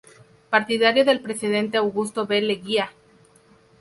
Partidario del presidente Augusto B. Leguía.